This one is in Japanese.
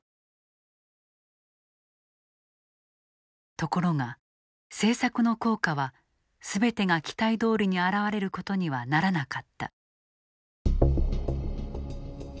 ところが、政策の効果はすべてが期待どおりに表れることにはならなかった。